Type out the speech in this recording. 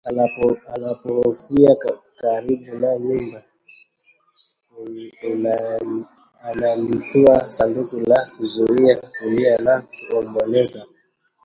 Anapofika karibu na nyumba analitua sanduku na kuzidi kulia na kuomboleza